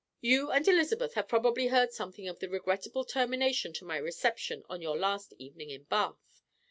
"You and Elizabeth have probably heard something of the regrettable termination to my reception on your last evening in Bath.